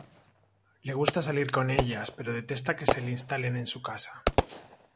Le gusta salir con ellas pero detesta que se le instalen en su casa.